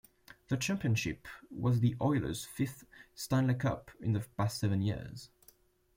The championship was the Oilers' fifth Stanley Cup in the past seven years.